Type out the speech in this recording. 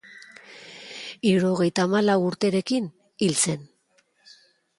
Hirurogeita hamalau urterekin hil zen.